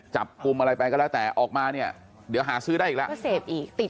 จับกลุ่มอะไรไปก็แล้วแต่ออกมาเนี่ยเดี๋ยวหาซื้อได้อีกแล้วก็เสพอีกติด